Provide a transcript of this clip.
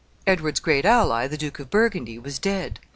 Edward's great ally, the Duke of Burgundy, was dead.